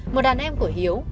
một đàn em của hiếu